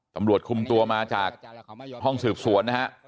ตำรวจคุมตัวมาจากห้องสืบสวนนะฮะ